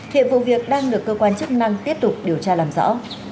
hiện vụ việc đang được cơ quan chức năng tiếp tục điều tra làm rõ